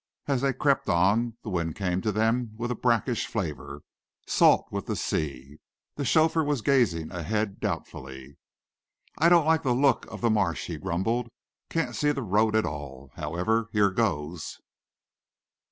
As they crept on, the wind came to them with a brackish flavour, salt with the sea. The chauffeur was gazing ahead doubtfully. "I don't like the look of the marsh," he grumbled. "Can't see the road at all. However, here goes."